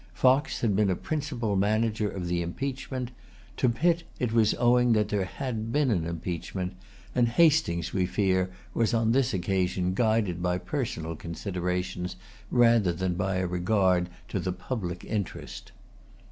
Fox had been a principal manager of the impeachment. To Pitt it was owing that there had been an impeachment; and Hastings, we fear, was on this occasion guided by personal considerations rather than by a regard to the public interest.